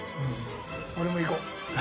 俺も行こう。